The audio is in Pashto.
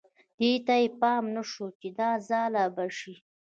دې ته یې پام نه شو چې دا ځاله به شي.